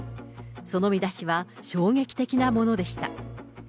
その見出しは衝撃的なものでした。